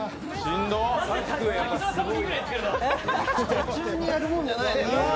途中にやるもんじゃない。